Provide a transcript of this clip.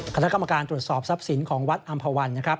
คณะกรรมการตรวจสอบทรัพย์สินของวัดอำภาวันนะครับ